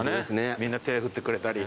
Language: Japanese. みんな手振ってくれたり。